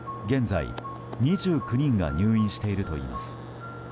現在、２９人が入院しているといいます。